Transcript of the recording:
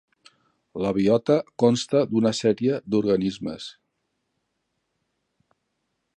La biota consta d'una sèrie d'organismes.